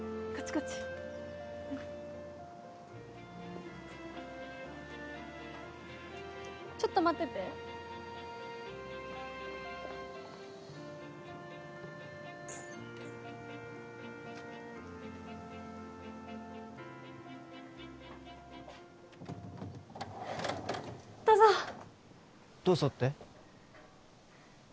こっちちょっと待っててどうぞどうぞって？